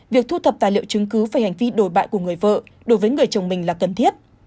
việc thu thập tài liệu chứng cứ về hành vi đổi bại của người vợ đối với người chồng mình là cần thiết